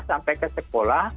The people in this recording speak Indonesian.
sampai ke sekolah